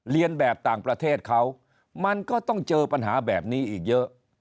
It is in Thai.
เรียนแบบต่างประเทศเขามันก็ต้องเจอปัญหาแบบนี้อีกเยอะ